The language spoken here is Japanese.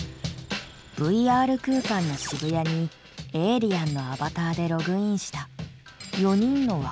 ＶＲ空間の渋谷にエイリアンのアバターでログインした４人の若者たち。